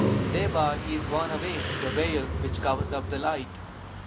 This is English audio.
Thereby is worn away the veil which covers up the light.